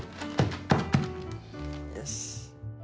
よし。